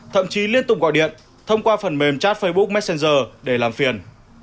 thậm chí liên tục gọi điện thông qua phần mềm chat facebook messenger để làm phiền